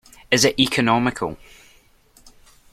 Is it economical?